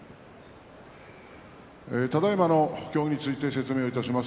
ただいまの協議について説明をいたします。